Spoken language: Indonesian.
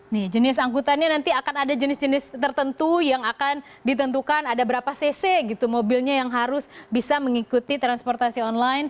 nih jenis angkutannya nanti akan ada jenis jenis tertentu yang akan ditentukan ada berapa cc gitu mobilnya yang harus bisa mengikuti transportasi online